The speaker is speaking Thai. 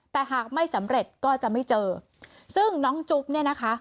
แต่หากไม่สำเร็จก็จะไม่เจอซึ่งน้องจุ๊บเนี่ยนะคะ